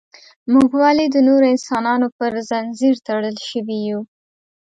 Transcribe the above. موږ ولې د نورو انسانانو پر زنځیر تړل شوي یو.